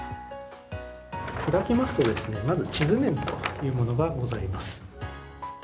開きますと地図面というものがございます。